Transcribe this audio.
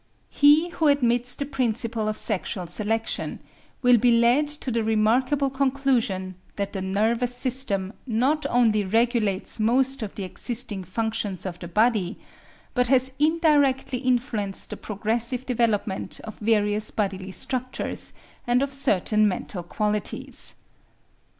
He who admits the principle of sexual selection will be led to the remarkable conclusion that the nervous system not only regulates most of the existing functions of the body, but has indirectly influenced the progressive development of various bodily structures and of certain mental qualities.